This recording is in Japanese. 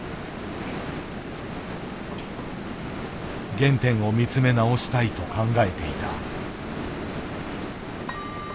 原点を見つめ直したいと考えていた。